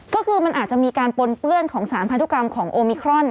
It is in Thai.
ก็คือมันอาจจะมีการปนเปื้อนของสารพันธุกรรมของโอมิครอน